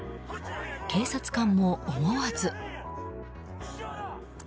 警察官も思わず。